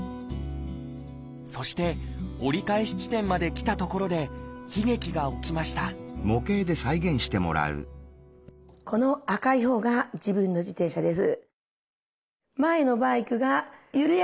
そして折り返し地点まで来たところで悲劇が起きましたこの赤いほうが自分の自転車です。